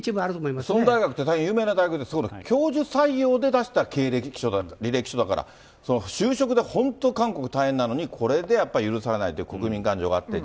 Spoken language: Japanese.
スウォン大学っていうのは大変有名な大学で、教授採用で出した履歴書だから、就職で本当、韓国大変なのにこれでやっぱり許されないと、国民感情があって。